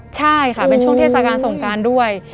ใช่ค่ะเป็นช่วงเทศกาลสงการด้วย